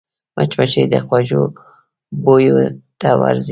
مچمچۍ د خوږو بویو ته ورځي